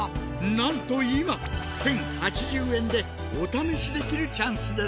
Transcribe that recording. なんと今１，０８０円でお試しできるチャンスです！